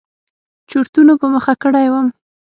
چورتونو په مخه کړى وم.